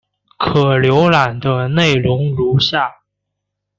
可浏览的内容如下。